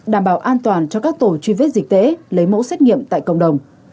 đảm bảo an toàn cho các tổ truy vết dịch tễ lấy mẫu xét nghiệm tại cộng đồng